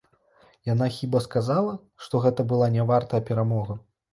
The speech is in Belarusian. Яна хіба сказала, што гэта была нявартая перамога?